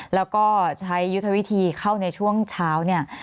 แล้วก็ใช้ยุทธวิธีเข้าในช่วงเช้าเนี่ย